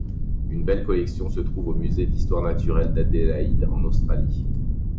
Une belle collection se trouve au musée d'histoire naturelle d'Adélaïde, en Australie.